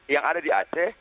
yang ada di aceh